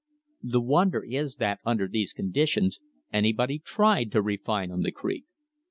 The wonder is that under these conditions anybody tried to refine on the creek.